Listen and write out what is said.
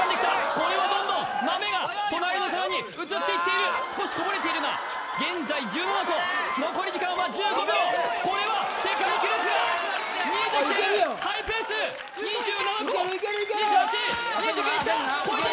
これはどんどん豆が隣の皿に移っていっている少しこぼれているが現在１７個残り時間は１５秒これは世界記録が見えてきているあっいけるやんハイペース２７個２８２９いった！